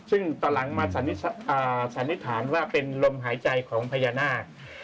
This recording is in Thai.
ซึ่งตอนหลังมาสันนิษฐานว่าเป็นลมหายใจของพญานาค